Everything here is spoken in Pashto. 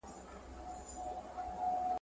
امام قلي خان د دریو شپو مېلمستیا وروسته ووژل شو.